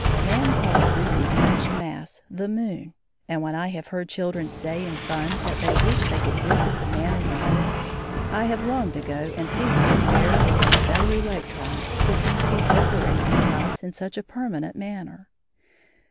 Man calls this detached mass the moon, and when I have heard children say in fun that they wish they could visit the man in the moon, I have longed to go and see how it fares with those fellow electrons who seem to be separated from us in such a permanent manner.